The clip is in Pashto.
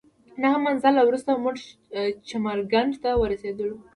نهه منزله وروسته موږ چمرکنډ ته ورسېدلو.